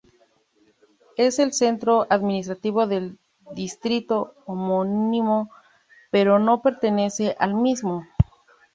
Es el centro administrativo del distrito homónimo, pero no pertenece al mismo.